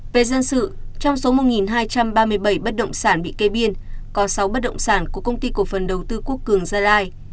về dân sự trong số một hai trăm ba mươi bảy bất động sản bị kê biên có sáu bất động sản của công ty cổ phần đầu tư quốc cường gia lai